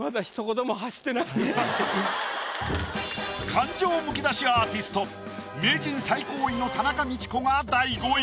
感情むき出しアーティスト名人最高位の田中道子が第５位。